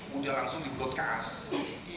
kemudian langsung di broadcast